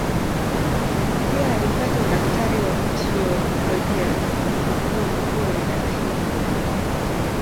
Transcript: Pia alipata udaktari wa teolojia na kuwa mkuu wa idara hiyo.